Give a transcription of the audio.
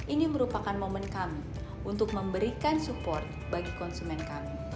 ini merupakan momen kami untuk memberikan support bagi konsumen kami